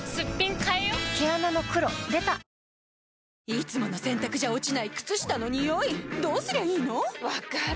いつもの洗たくじゃ落ちない靴下のニオイどうすりゃいいの⁉分かる。